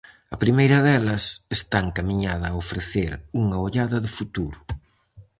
A primeira delas está encamiñada a ofrecer unha ollada de futuro.